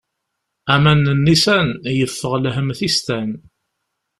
Aman n nnisan, yeffeɣ lhemm tistan.